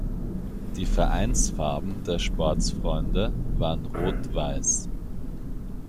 Die Vereinsfarben der Sportfreunde waren Rot-Weiß.